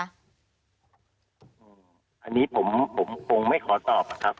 อันนี้ผมคงไม่ขอตอบอะครับ